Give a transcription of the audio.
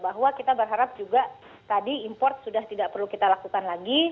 bahwa kita berharap juga tadi import sudah tidak perlu kita lakukan lagi